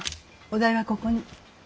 お代はここに。